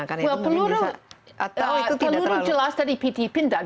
peluru jelas dari pt pindad